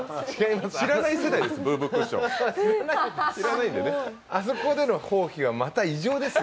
知らない世代です